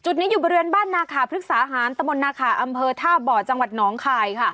นี้อยู่บริเวณบ้านนาขาพฤกษาหารตะมนตนาคาอำเภอท่าบ่อจังหวัดหนองคายค่ะ